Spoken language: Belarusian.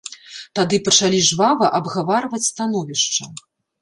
Тады пачалі жвава абгаварваць становішча.